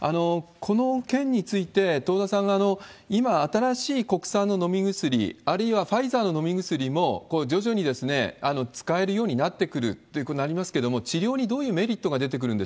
この件について、東田さん、今、新しい国産の飲み薬、あるいはファイザーの飲み薬も徐々に使えるようになってくるということになりますけれども、治療にどういうメリットが出てくるん